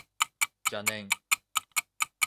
邪念